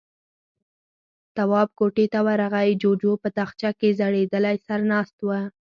تواب کوټې ته ورغی، جُوجُو په تاخچه کې ځړېدلی سر ناست و.